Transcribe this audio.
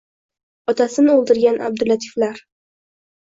Otasin o’ldirgan Abdullatiflar.